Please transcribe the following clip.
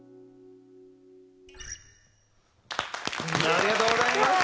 ありがとうございます。